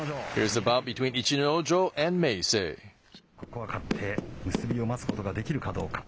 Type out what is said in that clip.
ここは勝って結びを待つことができるかどうか。